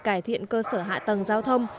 cải thiện cơ sở hạ tầng giao thông